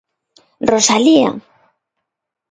¡Rosalía!